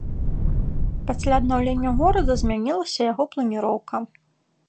Пасля аднаўлення горада змянілася яго планіроўка.